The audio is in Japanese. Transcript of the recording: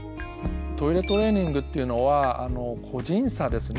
トイレトレーニングっていうのは個人差ですね。